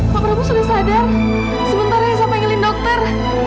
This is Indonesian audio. pak prabu sudah sadar sementara saya pengen dokter